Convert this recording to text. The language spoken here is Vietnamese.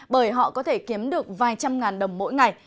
bởi họ có thể kiếm được vài trăm ngàn đồng mỗi ngày